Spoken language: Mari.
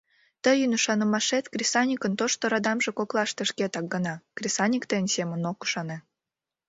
— Тыйын ӱшанымашет кресаньыкын тошто радамже коклаште шкетак гына, кресаньык тыйын семын ок ӱшане.